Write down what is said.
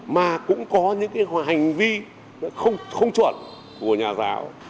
mà cũng có những hành vi không chuẩn của nhà giáo